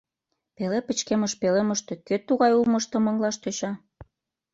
Пеле пычкемыш пӧлемыште кӧ тугай улмыштым ыҥлаш тӧча.